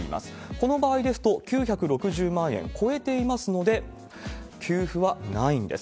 この場合ですと、９６０万円超えていますので、給付はないんです。